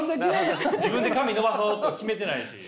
自分で髪伸ばそうと決めてないし。